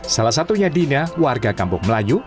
salah satunya dina warga kampung melayu